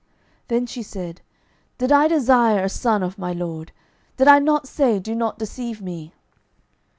12:004:028 Then she said, Did I desire a son of my lord? did I not say, Do not deceive me?